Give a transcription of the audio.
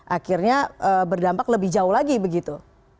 akhirnya berdampak lebih jauh lagi begitu